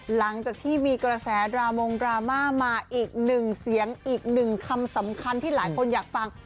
หลังจากที่มีกระแสดรามงดราม่ามาอีกหนึ่งเสียงอีกหนึ่งคำสำคัญที่หลายคนอยากฟัง